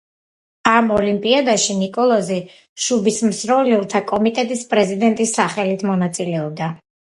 ამ ოლიმპიადაში ნიკოლოზი შუბისმსროლელთა კომიტეტის პრეზიდენტის სახელით მონაწილეობდა.